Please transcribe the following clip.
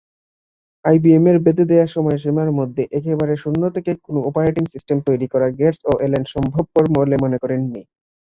আইবিএম-এর বেঁধে দেয়া সময়সীমার মধ্যে একেবারে শূন্য থেকে কোন অপারেটিং সিস্টেম তৈরি করা গেটস ও অ্যালেন সম্ভবপর বলে মনে করেননি।